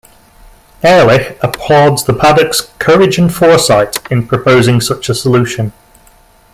Ehrlich applauds the Paddocks' "courage and foresight" in proposing such a solution.